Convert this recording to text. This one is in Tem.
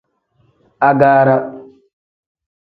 Agaara.